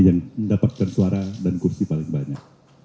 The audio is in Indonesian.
yang mendapatkan suara dan kursi paling banyak